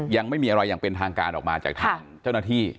ยังไม่มีอะไรอย่างเป็นทางการออกมาจากทางเจ้าหน้าที่